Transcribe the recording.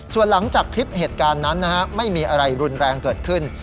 ส่วนหลังจากคลิปเหตุการณ์นั้นไม่มีอะไรรุนแรงเกิดขึ้น